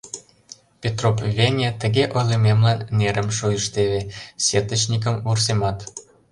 Петроп веҥе тыге ойлымемлан нерым шуйыш теве, сетычникым вурсемат.